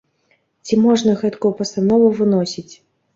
Ці можна гэткую пастанову выносіць?